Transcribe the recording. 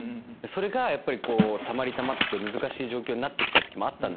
それがやっぱりたまりたまって難しい状況になった時もあった。